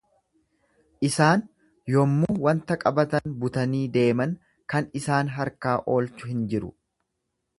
Isaan yommuu wanta qabatan butanii deeman kan isaan harkaa oolchu hin jiru.